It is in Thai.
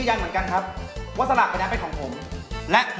สามารถรับชมได้ทุกวัย